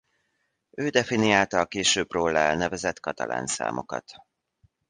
Ő definiálta a később róla elnevezett Catalan-számokat.